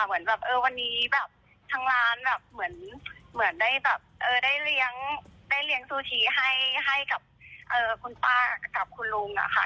เหมือนวันนี้แบบทางร้านเหมือนได้เลี้ยงซูชิให้กับคุณป้ากับคุณลุงค่ะ